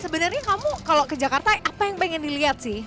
sebenarnya kamu kalau ke jakarta apa yang pengen dilihat sih